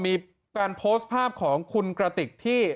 มีการโพสต์ภาพของคุณกระติกที่